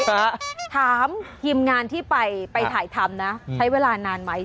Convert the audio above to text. ถามทีมงานที่ไปไปถ่ายทำนะใช้เวลานานไหม